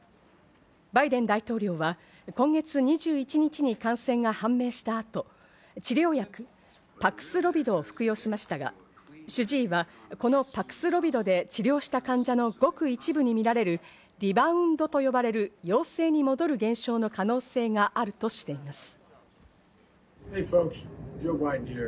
バイデン大統領は今月２１日に感染が判明した後、治療薬パクスロビドを服用しましたが、主治医はこのパクスロビドで治療した患者のごく一部にみられるリバウンドと呼ばれる、陽性に戻る現象の可能性があるとしています。